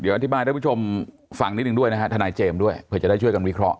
อธิบายท่านผู้ชมฟังนิดนึงด้วยนะฮะทนายเจมส์ด้วยเผื่อจะได้ช่วยกันวิเคราะ